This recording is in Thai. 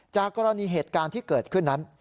จากกรณีเหตุการณ์ที่เกิดขึ้นนั้น